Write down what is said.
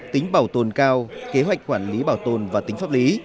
tính bảo tồn cao kế hoạch quản lý bảo tồn và tính pháp lý